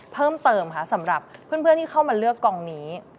เพิ่มเติมค่ะสำหรับเพื่อนที่เข้ามาเลือกกองนี้